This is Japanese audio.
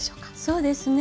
そうですね